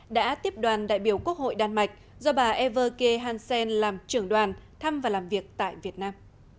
đã tiếp đoàn đại biểu quốc hội đan mạch do bà everke hansen làm trưởng đoàn thăm và làm việc tại việt nam